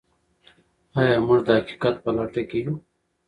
آیا موږ د حقیقت په لټه کې یو؟